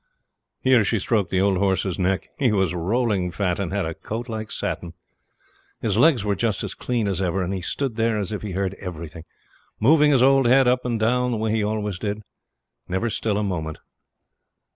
Here she stroked the old horse's neck. He was rolling fat, and had a coat like satin. His legs were just as clean as ever, and he stood there as if he heard everything, moving his old head up and down the way he always did never still a moment.